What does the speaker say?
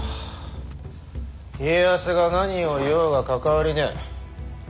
家康が何を言おうが関わりねえ。